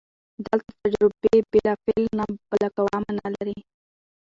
دلته تجربې بالفعل نه، بالقوه مانا لري.